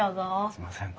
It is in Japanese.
すいません。